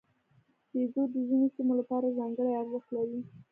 بیزو د ځینو سیمو لپاره ځانګړی ارزښت لري.